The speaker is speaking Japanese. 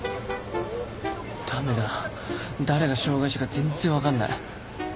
ダメだ誰が障がい者か全然分かんない